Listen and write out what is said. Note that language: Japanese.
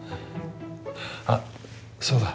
あっそうだ。